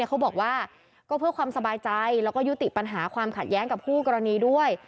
เขาบอกว่าก็เพื่อความสบายใจแล้วก็ยุติปัญหาความขัดแย้งกับคู่กรณีด้วย